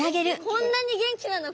こんなに元気なの？